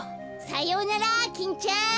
さようならキンちゃん。